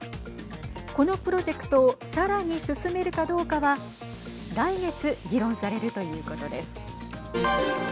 このプロジェクトをさらに進めるかどうかは来月議論されるということです。